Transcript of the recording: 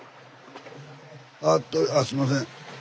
あっすいません。